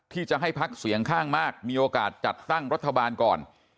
ที่จะให้พักเสียงข้างมากมีโอกาสจัดตั้งรัฐบาลก่อน